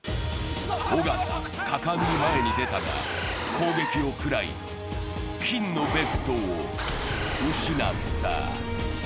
尾形、果敢に前に出たが、攻撃を食らい金のベストを失った。